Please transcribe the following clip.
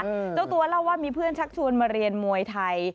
เจ้าตัวเล่าว่ามีเพื่อนชักชวนมาเรียนมวยไทย